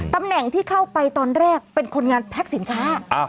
ตำแหน่งที่เข้าไปตอนแรกเป็นคนงานแพ็คสินค้า